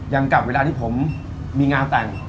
อย่างกับเวลาที่ผมมีงานแต่ง